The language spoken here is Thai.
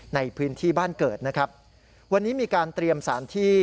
ในพื้นที่บ้านเกิดนะครับวันนี้มีการเตรียมสถานที่